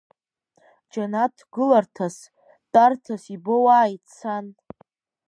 Џьанаҭ гыларҭас, тәарҭас ибоуааит сан!